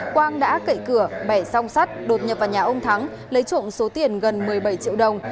quang đã cậy cửa bẻ song sắt đột nhập vào nhà ông thắng lấy trộm số tiền gần một mươi bảy triệu đồng